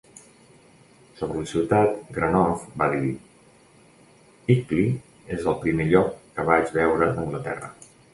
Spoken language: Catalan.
Sobre la ciutat, Granov va dir: "Ilkley és el primer lloc que vaig veure d'Anglaterra",